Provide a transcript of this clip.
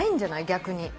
逆に。